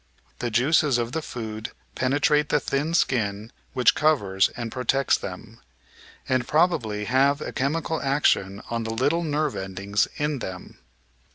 The juices of the food penetrate the thin skin which covers and protects them, and probably have a chemical action on the little nerve endings in them.